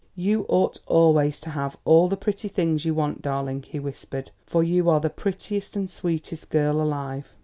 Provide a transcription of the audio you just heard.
"You ought always to have all the pretty things you want, darling," he whispered; "for you are the prettiest and sweetest girl alive."